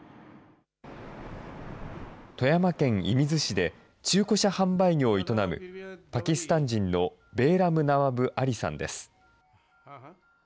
富山県射水市で中古車販売業を営むパキスタン人のベーラム・ナワブ・アリさんです。